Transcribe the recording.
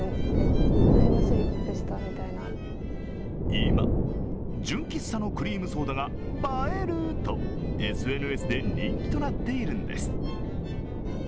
今、純喫茶のクリームソーダが映えるとＳＮＳで人気となっているんです。